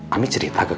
ami sudah tanya